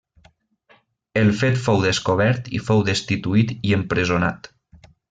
El fet fou descobert i fou destituït i empresonat.